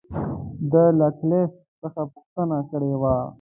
ده له کلایف څخه پوښتنه کړې وه.